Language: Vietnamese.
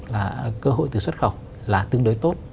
là cơ hội từ xuất khẩu là tương đối tốt